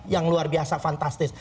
yang luar biasa fantastis